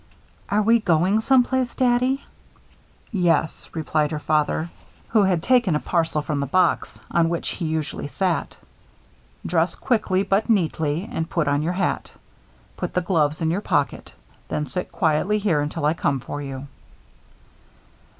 "Are we going some place, Daddy?" "Yes," replied her father, who had taken a parcel from the box on which he usually sat. "Dress quickly, but neatly, and put on your hat. Put the gloves in your pocket. Then sit quietly here until I come for you."